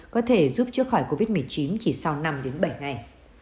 có thể giúp trước khỏi covid một mươi chín chỉ sau năm đến bảy ngày